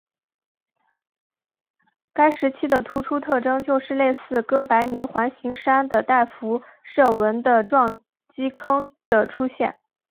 该时期的突出特征就是类似哥白尼环形山的带辐射纹的撞击坑的出现。